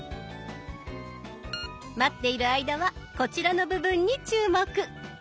待っている間はこちらの部分に注目。